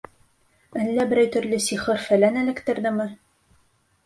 Әллә берәй төрлө сихыр-фәлән эләктерҙеме?